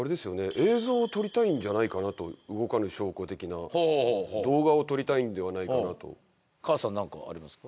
映像を撮りたいんじゃないかなと動かぬ証拠的な動画を撮りたいんではないかなと川田さん何かありますか？